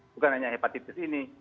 bukan hanya hepatitis ini